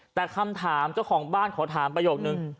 แต่คำถามเจ้าของบ้านขอถามประโยคนึง